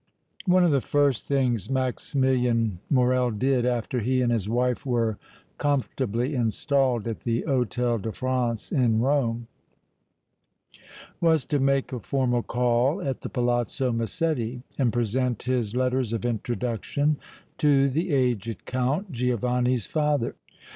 One of the first things Maximilian Morrel did, after he and his wife were comfortably installed at the Hôtel de France in Rome, was to make a formal call at the Palazzo Massetti and present his letters of introduction to the aged Count, Giovanni's father.